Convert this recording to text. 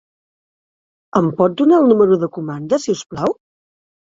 Em pot donar el número de comanda, si us plau?